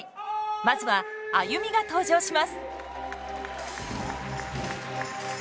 まずはＡＹＵＭＩが登場します。